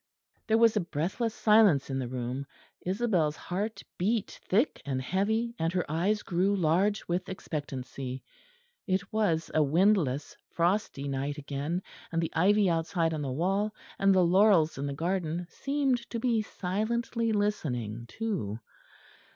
There was a breathless silence in the room; Isabel's heart beat thick and heavy and her eyes grew large with expectancy; it was a windless frosty night again, and the ivy outside on the wall, and the laurels in the garden seemed to be silently listening too.